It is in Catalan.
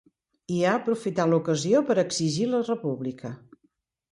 I ha aprofitat l’ocasió per exigir la república.